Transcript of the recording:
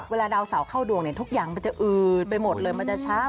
เวลาดาวเสาเข้าดวงเนี่ยทุกอย่างมันจะอืดไปหมดเลยมันจะเช้า